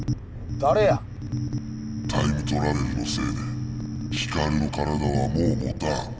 タイムトラベルのせいでヒカルの体はもうもたん。